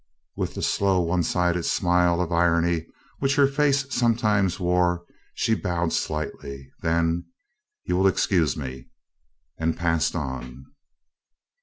With the slow one sided smile of irony which her face sometimes wore, she bowed slightly. Then, "You will excuse me?" and passed on.